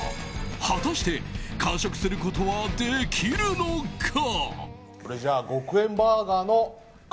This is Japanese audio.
果たして完食することはできるのか。